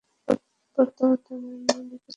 প্রত্যাবর্তনতো আমার নিকটেই রয়েছে।